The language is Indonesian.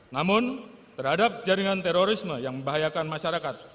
namun terhadap jaringan terorisme yang membahayakan masyarakat